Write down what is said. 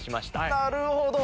なるほど。